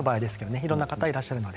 いろんな方がいらっしゃるので。